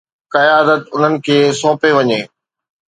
قيادت انهن کي سونپي وڃي